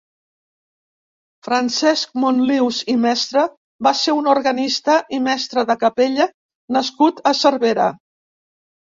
Francesc Monlius i Mestre va ser un organista i mestre de capella nascut a Cervera.